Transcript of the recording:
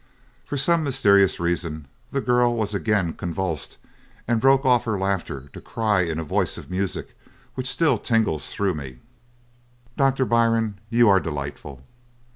"For some mysterious reason the girl was again convulsed and broke off her laughter to cry in a voice of music which still tingles through me: 'Doctor Byrne, you are delightful!'